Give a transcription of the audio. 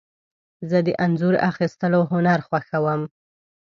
زه د انځور اخیستلو هنر خوښوم.